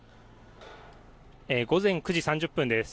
午前９時３０分です。